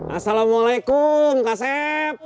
assalamualaikum kak sep